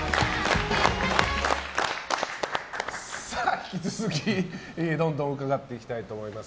引き続き、どんどん伺っていきたいと思います。